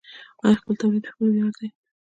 آیا خپل تولید خپل ویاړ دی؟